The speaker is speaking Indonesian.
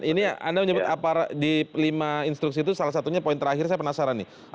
ini anda menyebut aparat di lima instruksi itu salah satunya poin terakhir saya penasaran nih